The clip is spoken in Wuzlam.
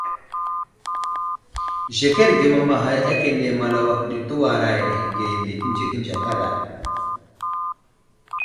Zəkerge mamaghay akane Malawak ɗi tewaray ahəge nde tenzekənze kada.